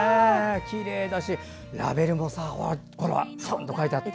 きれいだしラベルも、ちゃんと書いてあって。